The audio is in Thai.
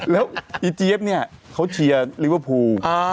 แล้วอีเจี๊ยบเนี่ยเขาเชียร์ลิเวอร์พูล